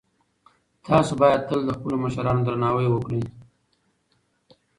تاسو باید تل د خپلو مشرانو درناوی وکړئ.